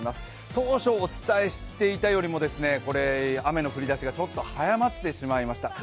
当初、お伝えしていたよりも雨の降りだしがちょっと早まってしまいました。